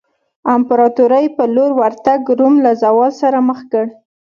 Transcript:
امپراتورۍ په لور ورتګ روم له زوال سره مخ کړ.